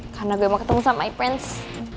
karena gue mau ketemu sama my prince